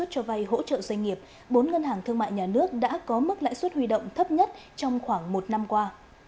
các ngân hàng thương mại nhà nước đã có mức lãi suất huy động thấp nhất trong khoảng một năm qua